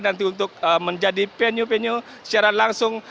nanti untuk menjadi venue venue secara langsung